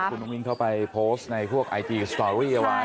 คุณอุ้งเข้าไปโพสต์ในพวกไอจีสตอรี่เอาไว้